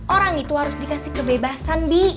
orang itu harus dikasih kebebasan bik